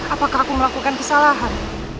apakah aku melakukan kesalahan